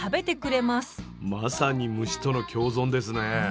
まさに虫との共存ですね。